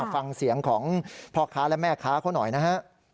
ฟังเสียงของพ่อค้าและแม่ค้าเขาหน่อยนะฮะ